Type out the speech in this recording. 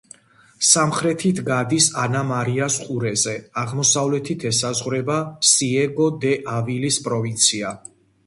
სამხრეთით გადის ანა-მარიას ყურეზე, აღმოსავლეთით ესაზღვრება სიეგო-დე-ავილის პროვინცია.